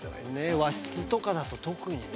和室とかだと特にね。